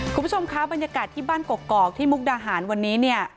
คุณผู้ชมคะบรรยากาศที่บ้านกกอกที่มุกดาหารวันนี้เนี่ย